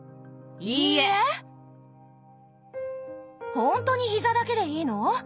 ほんとに膝だけでいいの？